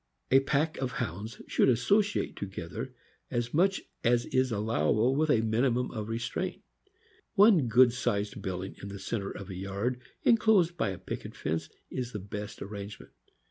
A pack of Hounds should associate together as much as is allowable with a minimum of restraint. One good sized building in the center of a yard inclosed by a picket fence is the best arrangement.